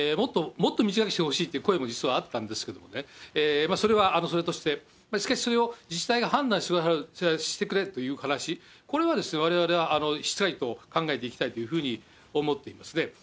もっと短くしてほしいという声も実はあったんですけれどもね、それはそれとして、しかしそれを自治体が判断してくれという話、これはわれわれはしっかりと考えていきたいというふうに思っていますね。